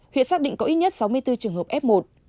huyện xác định có ít nhất sáu mươi bốn trường hợp f một